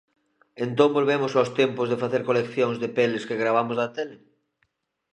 Entón volvemos aos tempos de facer coleccións de pelis que gravamos da tele?